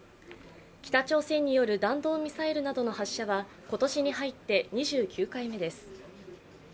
北朝鮮による弾道ミサイルなどの発射は今年に入って２９回目です。